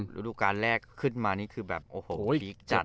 ศักดิ์โรคการแรกขึ้นมานี่คือแบบโอ้โหพลีกจัด